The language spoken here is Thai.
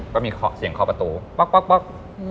ก็มีเสียงเคาะประตูป๊อก